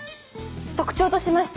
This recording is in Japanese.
特徴としましては。